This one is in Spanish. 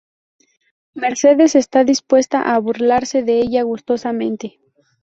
Mercedes está dispuesta a burlarse de ella gustosamente.